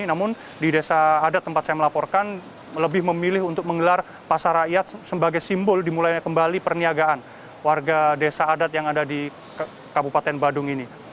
namun di desa adat tempat saya melaporkan lebih memilih untuk menggelar pasar rakyat sebagai simbol dimulainya kembali perniagaan warga desa adat yang ada di kabupaten badung ini